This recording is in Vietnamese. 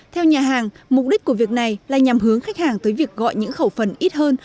theo nhà hàng mục đích của việc này là nhằm hướng khách hàng tới việc gọi những khẩu phần ít hơn